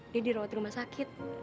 dia dirawat rumah sakit